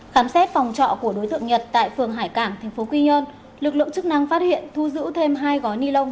khám xét phòng trọ của đối tượng nhật tại phường hải cảng tp quy nhơn lực lượng chức năng phát hiện thu giữ thêm hai gói ni lông